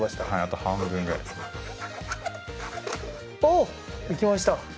おお！いきました。